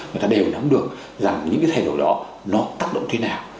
người ta đều nắm được rằng những cái thay đổi đó nó tác động thế nào